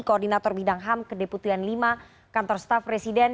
koordinator bidang ham kedeputian lima kantor staff presiden